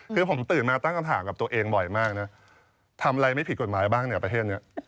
คือผมตื่นมาตั้งคำถามกับตัวเองบ่อยมากนะทำอะไรไม่ผิดกฎหมายบ้างเนี่ยประเทศนี้